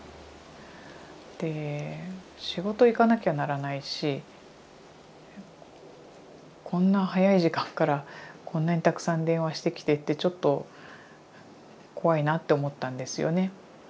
で仕事行かなきゃならないしこんな早い時間からこんなにたくさん電話してきてってちょっと怖いなと思ったんですよね。